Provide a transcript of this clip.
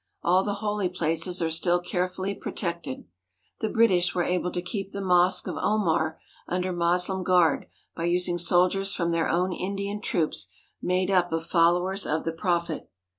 All the holy places are still carefully protected. The British were able to keep the Mosque of Omar under Moslem guard by using soldiers from their own Indian troops made up of followers of the Prophet.